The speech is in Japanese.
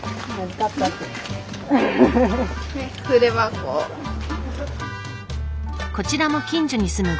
こちらも近所に住むご家族。